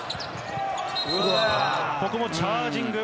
ここもチャージング。